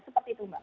seperti itu mbak